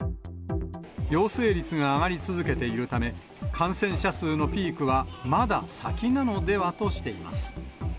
陽性率が上がり続けているため、感染者数のピークはまだ先なのではとしています。